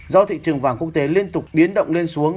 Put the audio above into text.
do thị trường vàng quốc tế liên tục biến động lên xuống